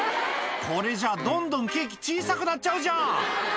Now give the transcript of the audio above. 「これじゃどんどんケーキ小さくなっちゃうじゃん！」